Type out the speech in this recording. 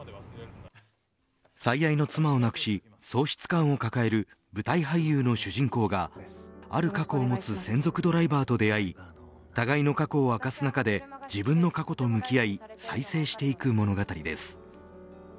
最愛の妻を亡くし喪失感を抱える舞台俳優の主人公がある過去を持つ専属ドライバーと出会い互いの過去を明かす中で自分の過去と向き合い再生していく物語です。